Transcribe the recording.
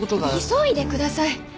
急いでください！